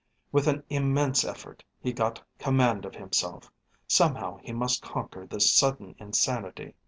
With an immense effort he got command of himself. Somehow he must conquer this sudden insanity.